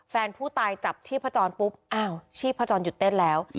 แฟนผู้ตายจับชีพจรปุ๊บอ้าวชีพจรหยุดเต้นแล้ว